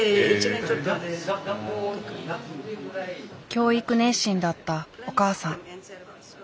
教育熱心だったお母さん。